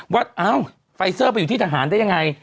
ว่าเอ้าไฟเซอร์ไปอยู่ที่ทหารได้ยังไง